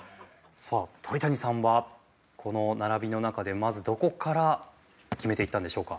さあ鳥谷さんはこの並びの中でまずどこから決めていったんでしょうか？